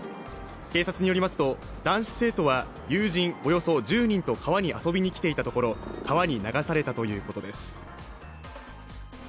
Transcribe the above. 警察によりますと男子生徒は友人およそ１０人と川に遊びに来ていたところ、川に流されたということです。